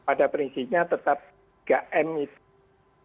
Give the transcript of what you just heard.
pada prinsipnya tetap tiga m itu